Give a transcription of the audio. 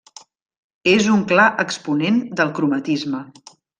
És un clar exponent del cromatisme.